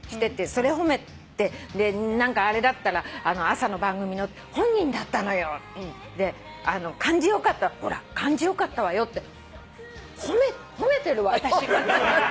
「『それ褒めて何かあれだったら朝の番組の本人だったのよ』」「『感じ良かった』ほら感じ良かったわよって褒めてる私」